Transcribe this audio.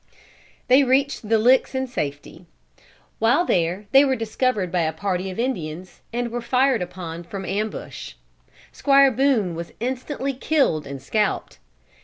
They reached the Licks in safety. While there they were discovered by a party of Indians, and were fired upon from ambush. Squire Boone was instantly killed and scalped.